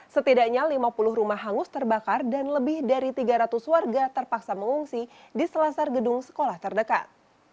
setidaknya lima puluh rumah hangus terbakar dan lebih dari tiga ratus warga terpaksa mengungsi di selasar gedung sekolah terdekat